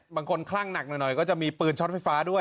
บางคนคลั่งหนักหน่อยก็จะมีปืนช็อตไฟฟ้าด้วย